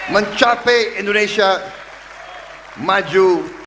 mencapai indonesia maju